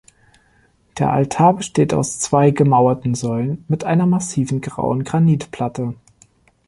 Der Altar besteht aus zwei gemauerten Säulen mit einer massiven grauen Granitplatte.